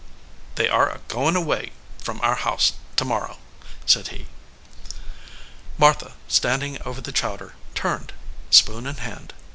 "They are goin away from Our House to mor row," said he. Martha, standing over the chowder, turned, spoon in hand.